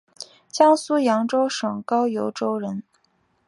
江苏扬州府高邮州人。